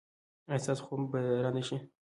ایا ستاسو خوب به را نه شي؟